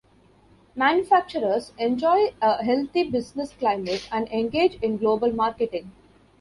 Manufacturers enjoy a healthy business climate and engage in global marketing.